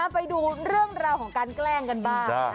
ไปดูเรื่องราวของการแกล้งกันบ้าง